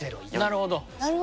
なるほど。